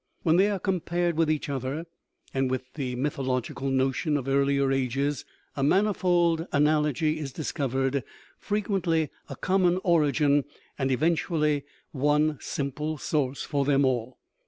When they are compared with each other and with the mythological notion of earlier ages, a manifold analogy is discovered, fre quently a common origin, and eventually one simple source for them all.